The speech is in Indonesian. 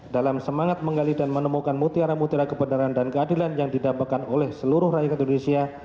dalam semangat menggali dan menemukan mutiara mutiara kebenaran dan keadilan yang didampakkan oleh seluruh rakyat indonesia